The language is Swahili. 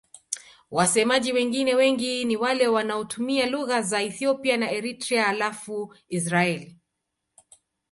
Wasemaji wengine wengi ni wale wanaotumia lugha za Ethiopia na Eritrea halafu Israel.